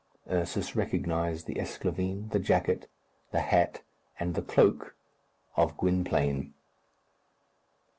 Ursus recognized the esclavine, the jacket, the hat, and the cloak of Gwynplaine.